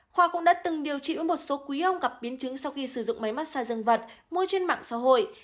khoa cũng đã từng điều trị với một số quý ông gặp biến chứng sau khi sử dụng máy mát xa dương vật mua trên mạng xã hội